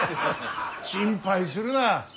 心配するな。